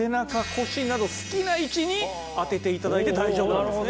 腰など好きな位置に当てて頂いて大丈夫なんですね。